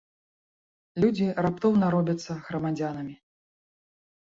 Людзі раптоўна робяцца грамадзянамі.